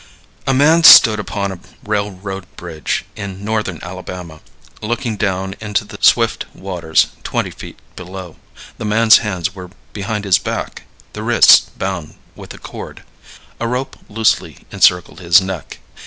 A man stood upon a railroad bridge in northern Alabama, looking down into the swift waters twenty feet below. The man's hands were behind his back, the wrists bound with a cord. A rope loosely encircled his neck.